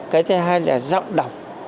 cái thứ hai là giọng đọc